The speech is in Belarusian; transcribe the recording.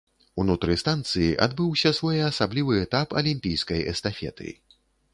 Унутры станцыі адбыўся своеасаблівы этап алімпійскай эстафеты.